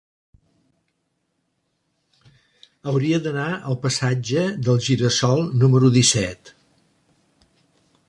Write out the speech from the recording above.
Hauria d'anar al passatge del Gira-sol número disset.